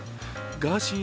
ガーシー